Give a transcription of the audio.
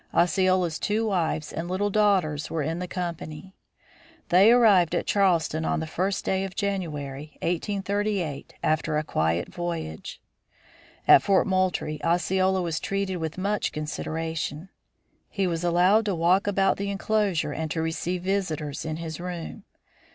Osceola's two wives and little daughters were in the company. They arrived at Charleston on the first day of January, 1838, after a quiet voyage. At Fort Moultrie, Osceola was treated with much consideration; he was allowed to walk about the enclosure and to receive visitors in his room.